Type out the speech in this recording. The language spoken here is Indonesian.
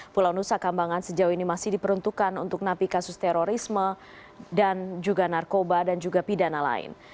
pulau nusa kambangan sejauh ini masih diperuntukkan untuk napi kasus terorisme dan juga narkoba dan juga pidana lain